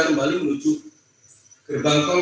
kembali menuju kebangkong